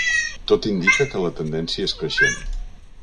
Tot indica que la tendència és creixent.